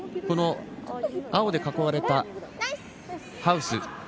青で囲われたハウス。